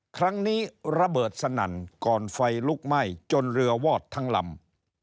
ครั้งนี้ระเบิดสนั่นก่อนไฟลุกไหม้จนเรือวอดทั้งลำ